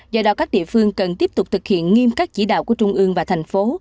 do đó các địa phương cần tiếp tục thực hiện nghiêm các chỉ đạo của trung ương và thành phố